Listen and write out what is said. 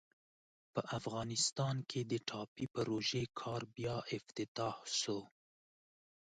په افغانستان کې د ټاپي پروژې کار بیا افتتاح سو.